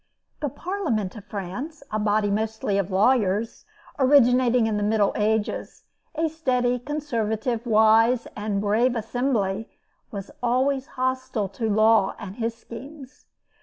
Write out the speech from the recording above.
The Parliament of France, a body mostly of lawyers, originating in the Middle Ages, a steady, conservative, wise, and brave assembly, was always hostile to Law and his schemes.